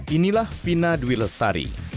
inilah vina dwi lestari